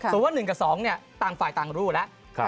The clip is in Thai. สมมุติว่า๑กับ๒ต่างฝ่ายต่างรูแล้ว